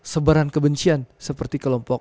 sebaran kebencian seperti kelompok